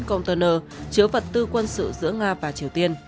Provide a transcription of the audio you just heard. cộng tờ nờ chứa vật tư quân sự giữa nga và triều tiên